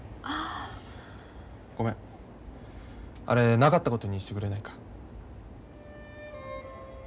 あれなかったことにしてくれないか。